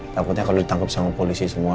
takutnya kalau ditangkap sama polisi semua